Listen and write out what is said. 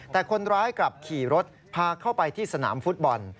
แต่คนร้ายกลับขี่รถพาเข้าไปที่สนามฟุตบอล